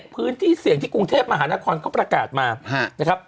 พื้นที่เสี่ยงที่กรุงเทพมหานครเขาประกาศมานะครับ